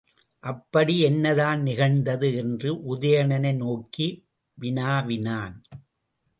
அப்படி என்னதான் நிகழ்ந்தது? என்று உதயணனை நோக்கி வினாவினான்.